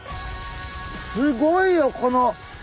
すごいよこの見て。